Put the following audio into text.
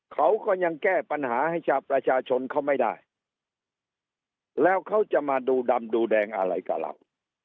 เขาก็ยังแก้ปัญหาให้ชาวประชาชนเขาไม่ได้แล้วเขาจะมาดูดำดูแดงอะไรกับเรา